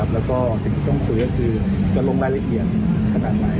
แล้วก็สิ่งที่ต้องคุยก็คือจะลงรายละเอียดขนาดใหม่